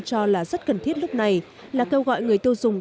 cho là rất cần thiết lúc này là kêu gọi người tiêu dùng